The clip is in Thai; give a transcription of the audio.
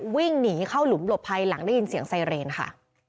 วิ่งหนีเข้าหลุมหลบภัยหลังได้ยินเสียงไซเรนค่ะ